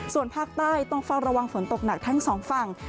ส่วนภาคใต้ต้องเฝ้าระวังฝนตกหนักทั้งสองฝั่ง